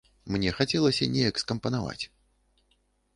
Мне хацелася неяк скампанаваць.